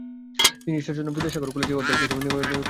তিনি ঈশ্বরচন্দ্র বিদ্যাসাগরকে কলেজের অধ্যক্ষ হিসাবে পান।